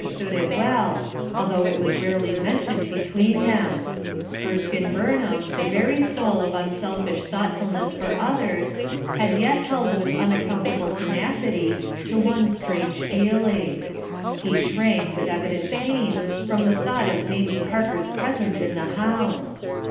stood ,t well, although it was rare l y ^J, between them Erskine j^ — soul of unselfish thou g htful negs for others ^ yet held with unaccountable tenacity to' one strange feeling. He shrank with evident pain from the thought of Mamie Parker's presence in the house.